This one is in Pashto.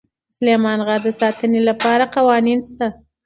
د سلیمان غر د ساتنې لپاره قوانین شته.